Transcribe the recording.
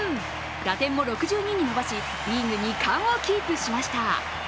打点も６２に伸ばし、リーグ２冠をキープしました。